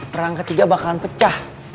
perang ketiga bakalan pecah